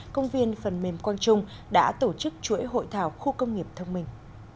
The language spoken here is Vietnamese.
công viên phần mềm quang trung đã tổ chức chuỗi hội thảo khu công nghiệp thông minh